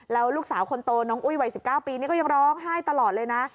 แล้วลูกสาวคนโตน้องอุ้ยวัย๑๙ปีนี่ก็ยังร้องไห้ตลอดเลยนะ